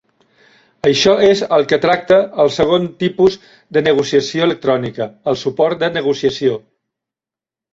Això és el que tracta el segon tipus de negociació electrònica, el suport de negociació.